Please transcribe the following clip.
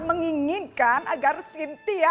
menginginkan agar sintia